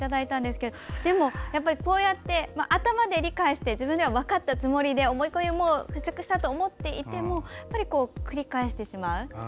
こうやって頭で理解して自分で分かったつもりで思い込みを払拭したと思っていても繰り返してしまう。